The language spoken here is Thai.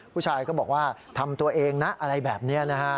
ผู้ชายก็บอกว่าทำตัวเองนะอะไรแบบนี้นะฮะ